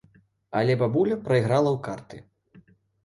Але бабуля прайграла ў карты.